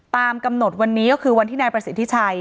ตามกำหนดวันนี้ก็คือวันที่นายประสิทธิชัย